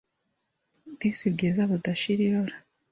Disi bwiza budashira irora: